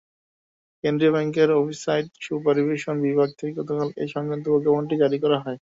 কেন্দ্রীয় ব্যাংকের offsite supervision বিভাগ থেকে গতকাল এ-সংক্রান্ত প্রজ্ঞাপনটি জারি করা হয়।